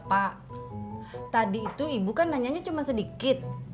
pak tadi itu ibu kan nanyanya cuma sedikit